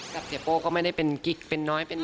เสียโป้ก็ไม่ได้เป็นกิ๊กเป็นน้อยเป็น